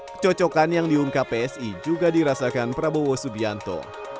kecocokan yang diungkap psi juga dirasakan prabowo subianto